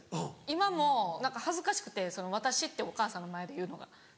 今も何か恥ずかしくて「私」ってお母さんの前で言うのが。